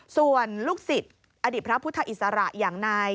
ส่วนลูกศิษย์อดีตพระพุทธอิสระอย่างนาย